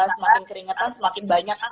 semakin keringetan semakin banyak